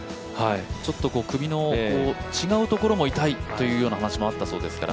ちょっと首の違うところも痛いっていう話もあったそうですから。